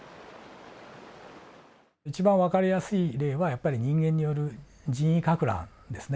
一番わかりやすい例はやっぱり人間による人為かく乱ですね。